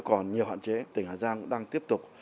còn nhiều hoạn chế tỉnh hà giang đang tiếp tục